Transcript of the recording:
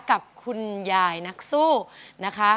กับคุณยายนักสู้นะคะ